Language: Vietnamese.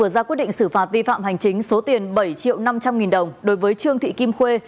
ra quyết định xử phạt vi phạm hành chính số tiền bảy triệu năm trăm linh nghìn đồng đối với trương thị kim khuê